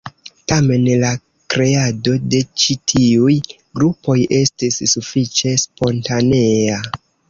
Tamen, la kreado de ĉi tiuj grupoj estis sufiĉe spontanea.